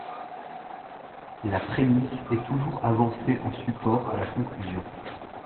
La prémisse est toujours avancée en support à la conclusion.